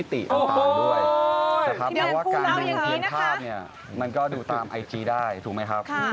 แต่ว่าการดูเพียงภาพเนี่ยมันก็ดูตามไอจีได้ถูกไหมครับ